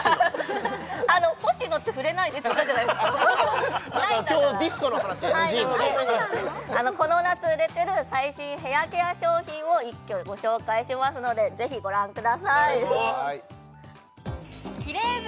あのほしのって触れないでって言ったじゃないですかなんか今日ディスコの話ＮＧみたいこの夏売れてる最新ヘアケア商品を一挙ご紹介しますのでぜひご覧くださいキレイ部！